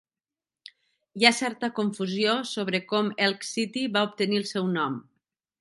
Hi ha certa confusió sobre com Elk City va obtenir el seu nom.